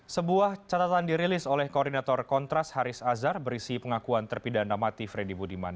sebuah catatan dirilis oleh koordinator kontras haris azhar berisi pengakuan terpidana mati freddy budiman